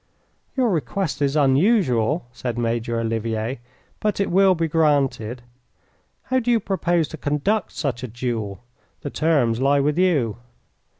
"Your request is unusual," said Major Olivier, "but it will be granted. How do you propose to conduct such a duel? The terms lie with you."